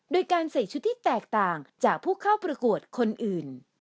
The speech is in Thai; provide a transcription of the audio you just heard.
โดยการใส่ชุดที่แตกต่างจากผู้เข้าประกวดคนอื่น